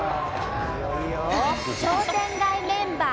商店街メンバー